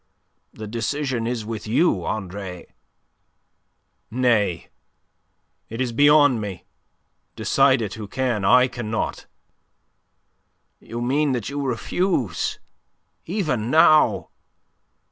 "The decision is with you, Andre." "Nay, it is beyond me. Decide it who can, I cannot." "You mean that you refuse even now?"